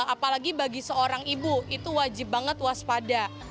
apalagi bagi seorang ibu itu wajib banget waspada